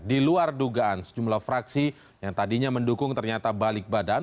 di luar dugaan sejumlah fraksi yang tadinya mendukung ternyata balik badan